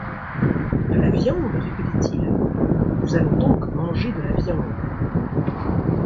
De la viande ! répétait-il, nous allons donc manger de la viande